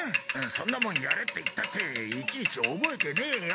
そんなもんやれって言ったっていちいち覚えてねえよ！